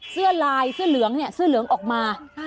เสื้อลายเสื้อเหลืองเนี่ยเสื้อเหลืองออกมา